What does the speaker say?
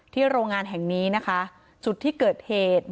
โรงงานแห่งนี้นะคะจุดที่เกิดเหตุ